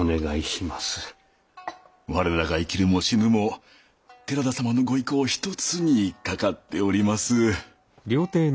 我らが生きるも死ぬも寺田様のご意向一つにかかっております。